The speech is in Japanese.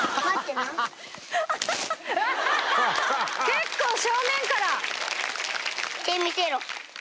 結構正面から。てみせろ。